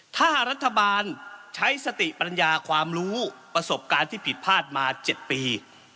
ถ้ารัฐบาลใช้สติปัญญาความรู้ประสบการณ์ที่ผิดพลาดมา๗ปี